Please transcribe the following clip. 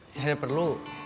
saya ada perlu